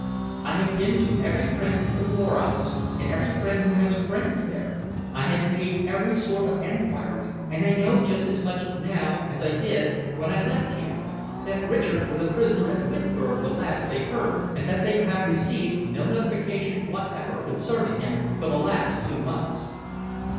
I have been to every friend at the War Office, and every friend who has friends there. I have made every sort of enquiry, and I know just as much now as I did when I left here that Richard was a prisoner at Wittenberg the last time they heard, and that they have received no notification whatever concerning him for the last two months."